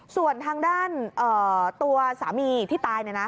ส่วนทางด้านตัวสามีที่ตาย